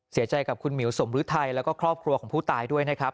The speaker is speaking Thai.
เสียใจกับคุณหมิวสมฤทัยแล้วก็ครอบครัวของผู้ตายด้วยนะครับ